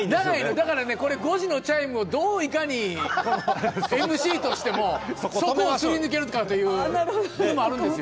だから、５時のチャイムをどういかにＭＣとしてそこをすり抜けるかという、それもあるんですよ。